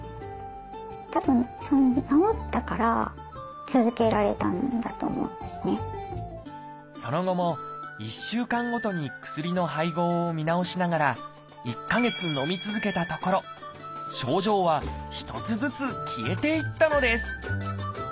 たぶんその後も１週間ごとに薬の配合を見直しながら１か月のみ続けたところ症状は一つずつ消えていったのです